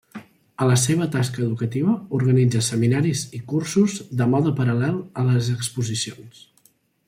A la seva tasca educativa organitza seminaris i cursos de mode paral·lel a les exposicions.